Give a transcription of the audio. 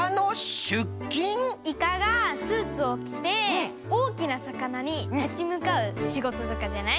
イカがスーツをきておおきなさかなにたちむかうしごととかじゃない？